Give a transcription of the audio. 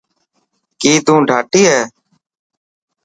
ڪي تون ڌاٽي هي.